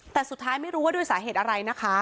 แต่สุดท้ายไม่รู้ว่าด้วยสาเหตุอะไรนะคะ